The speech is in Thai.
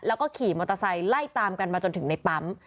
แล้วก็ขี่มอเตอร์ไซค์ไล่ตามกันมาจนถึงในปั๊ม